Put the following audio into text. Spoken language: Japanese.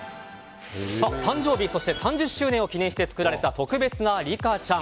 誕生日、そして３０周年を記念して作られた特別なリカちゃん。